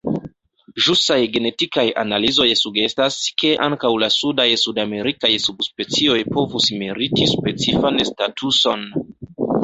Ĵusaj genetikaj analizoj sugestas, ke ankaŭ la sudaj sudamerikaj subspecioj povus meriti specifan statuson.